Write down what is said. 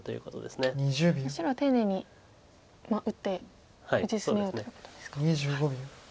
白は丁寧に打って打ち進めようということですか。